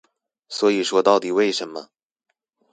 所以說到底為什麼